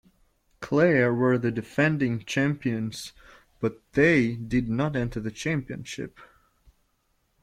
Clare were the defending champions but they did not enter the championship.